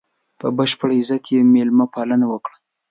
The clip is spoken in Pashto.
په بشپړ عزت به یې مېلمه پالنه وکړي.